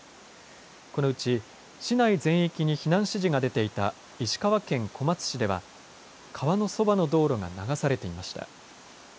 このうち、市内全域に避難指示が出ていた石川県小松市では、川のそばの道路が流されていました。